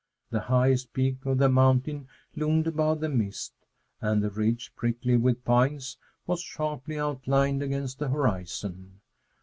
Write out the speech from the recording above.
The highest peak of the mountain loomed above the mist, and the ridge, prickly with pines, was sharply outlined against the horizon.